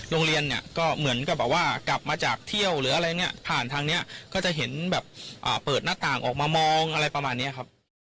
โรงเรียนเนี่ยก็เหมือนกับแบบว่ากลับมาจากเที่ยวหรืออะไรเนี่ยผ่านทางนี้ก็จะเห็นแบบเปิดหน้าต่างออกมามองอะไรประมาณนี้ครับ